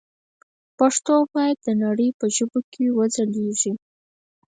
پښتو باید د نړۍ په ژبو کې وځلېږي.